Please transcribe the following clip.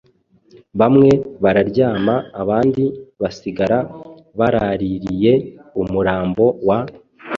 Bamwe bararyama abandi basigara baraririye umurambo wa